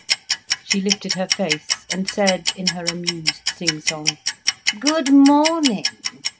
She lifted her face, and said, in her amused sing song: "Good morning!